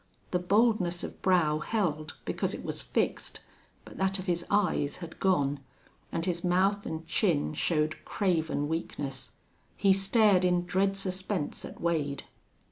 The boldness of brow held, because it was fixed, but that of his eyes had gone; and his mouth and chin showed craven weakness. He stared in dread suspense at Wade.